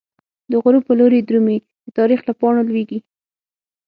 دغروب په لوری درومی، د تاریخ له پاڼو لویږی